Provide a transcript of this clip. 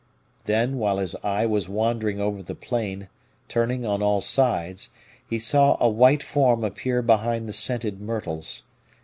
Then, while his eye was wandering over the plain, turning on all sides, he saw a white form appear behind the scented myrtles.